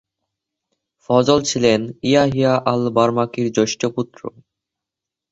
ফজল ছিলেন ইয়াহিয়া আল-বার্মাকির জ্যেষ্ঠ পুত্র।